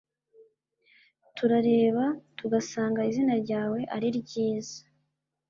turareba tugasanga izina ryawe ari ryiza